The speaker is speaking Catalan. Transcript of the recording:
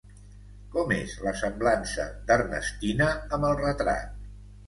Com és la semblança d'Ernestina amb el retrat?